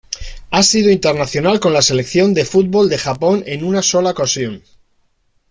Ha sido internacional con la Selección de fútbol de Japón en una sola ocasión.